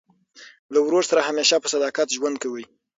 له ورور سره همېشه په صداقت ژوند کوئ!